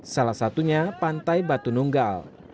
salah satunya pantai batu nunggal